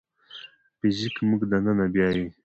فزیک موږ دننه بیايي.